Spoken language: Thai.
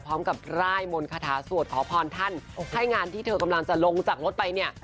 พร้อมกับร่ายมนต์คาถาสวดขอพรท่านให้งานที่เธอกำลังจะลงจากรถไปเนี่ย